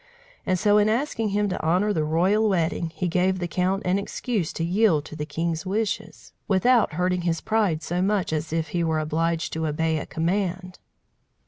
And so, in asking him to honour the royal wedding, he gave the count an excuse to yield to his king's wishes, without hurting his pride so much as if he were obliged to obey a command.